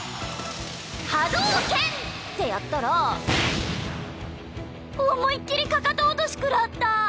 波動拳！ってやったら思いっ切りかかと落としくらった。